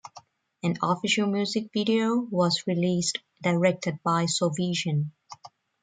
An official music video was released directed by Soulvizion.